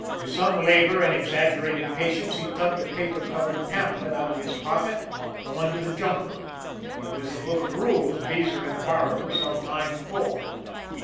With some labor and exaggerated patience, he tugged a paper covered pamphlet out of his pocket from under his jumper. It was the book of rules Beezer had "borrowed" some time before.